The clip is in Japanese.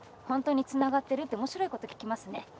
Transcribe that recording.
「本当につながってる？」って面白いこと聞きますね。